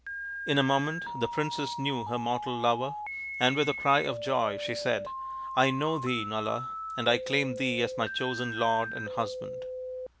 In a moment the princess knew her mortal lover, and with a cry of joy she said, " I know thee, Nala, and I claim thee as my chosen lord and husband."